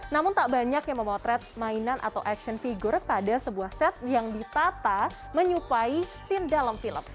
namun tak banyak yang memotret mainan atau action figure pada sebuah set yang ditata menyupai scene dalam film